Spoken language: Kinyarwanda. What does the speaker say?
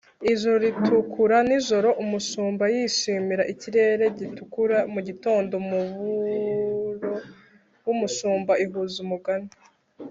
ijuru ritukura nijoro umushumba yishimira; ikirere gitukura mugitondo, umuburo wumushumba ihuza numugani